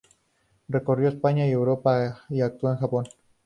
Recorrió España y Europa y actuó en Japón.